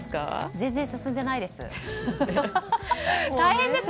全然進んでないです。